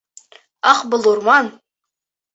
Ах, был урман!..